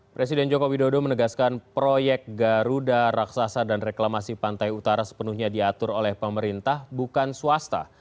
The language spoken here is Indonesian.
presiden joko widodo menegaskan proyek garuda raksasa dan reklamasi pantai utara sepenuhnya diatur oleh pemerintah bukan swasta